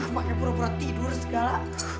makanya pura pura tidur segala